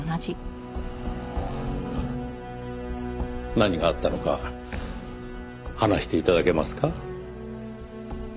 何があったのか話して頂けますか？